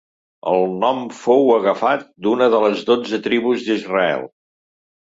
El nom fou agafat d'una de les dotze tribus d'Israel.